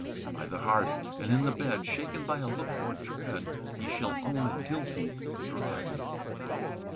"By the hearth and in the bed, Shaken by a look or tread, Ye shall own a guilty dread.